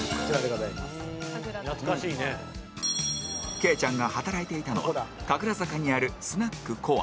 ケイちゃんが働いていたのは神楽坂にあるスナックコア